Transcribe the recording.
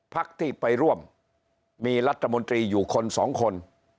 พักที่ไปร่วมมีรัฐมนตรีอยู่คนสองคน